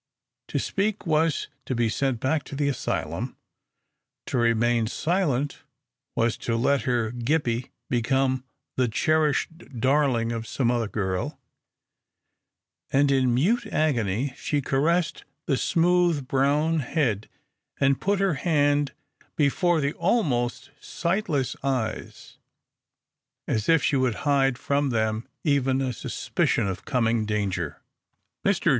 To speak was to be sent back to the asylum, to remain silent was to let her Gippie become the cherished darling of some other girl, and in mute agony she caressed the smooth brown head, and put her hand before the almost sightless eyes as if she would hide from them even a suspicion of coming danger. Mr.